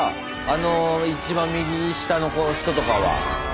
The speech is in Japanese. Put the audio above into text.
あの一番右下の人とかは。